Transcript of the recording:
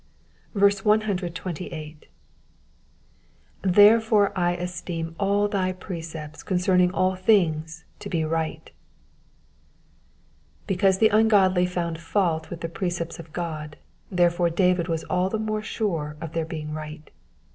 128. ^^ Therefore I esteem all thy precepts concerning aU things to he righf^ Because the ungodly found fault with the precepts of God, therefore David was all the more sure of their being right.